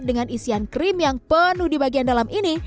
dengan isian krim yang penuh di bagian dalam ini